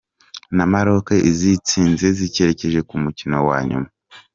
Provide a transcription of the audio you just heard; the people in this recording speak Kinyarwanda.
na Maroc izitsinze zikerekeza ku mukino wa nyuma.